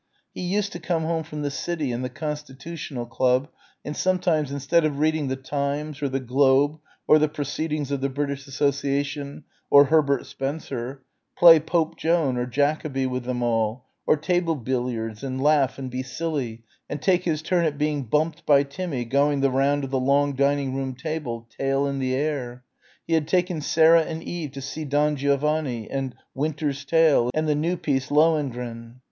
He used to come home from the City and the Constitutional Club and sometimes instead of reading "The Times" or the "Globe" or the "Proceedings of the British Association" or Herbert Spencer, play Pope Joan or Jacoby with them all, or Table Billiards and laugh and be "silly" and take his turn at being "bumped" by Timmy going the round of the long dining room table, tail in the air; he had taken Sarah and Eve to see "Don Giovanni" and "Winter's Tale" and the new piece, "Lohengrin."